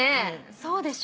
そうでしょ？